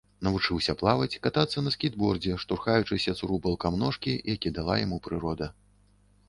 Навучыўся плаваць, катацца на скейтбордзе, штурхаючыся цурубалкам ножкі, які дала яму прырода.